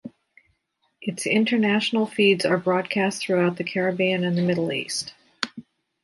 Its international feeds are broadcast throughout the Caribbean and the Middle East.